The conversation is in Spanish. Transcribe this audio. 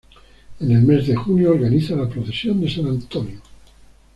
En el mes de junio organiza la Procesión de San Antonio.